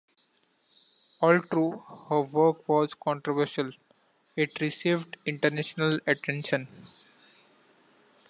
Although her work was controversial, it received international attention.